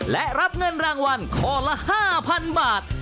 และรับเงินรางวัลข้อละ๕๐๐๐บาท